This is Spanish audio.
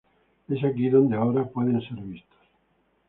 Es aquí donde ahora pueden ser vistos.